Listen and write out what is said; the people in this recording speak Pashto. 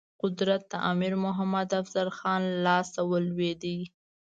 قدرت د امیر محمد افضل خان لاسته ولوېد.